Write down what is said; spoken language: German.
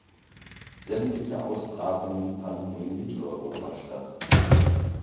Sämtliche Austragungen fanden in Mitteleuropa statt.